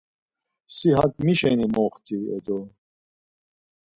Si hak mi şeni moxti e do?